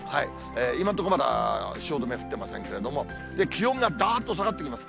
今のところまだ、汐留降ってませんけれども、気温がだーっと下がってきます。